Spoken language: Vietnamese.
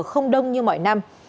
không đông như mọi năm